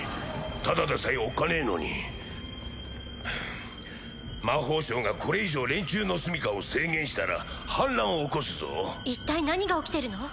ただでさえおっかねえのに魔法省がこれ以上連中のすみかを制限したら反乱を起こすぞ一体何が起きてるの？